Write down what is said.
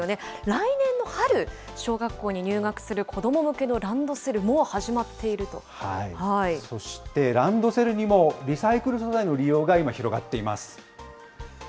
来年春、小学校に入学する子ども向けのランドセル、もう始まってそしてランドセルにも、リサイクル素材の利用が、今広がっています。